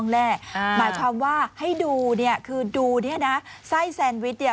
ได้เลยอ่อว่าให้ดูเนี่ยคือดูเนี่ยนะไส้แซวิสเนี่ย